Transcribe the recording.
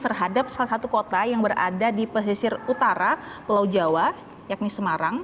terhadap salah satu kota yang berada di pesisir utara pulau jawa yakni semarang